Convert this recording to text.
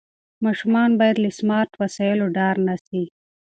ماشومان باید له سمارټ وسایلو ډار نه سي.